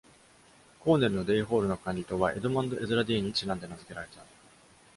コーネルのデイ・ホールの管理棟はエドマンド・エズラ・デイにちなんで名付けられた。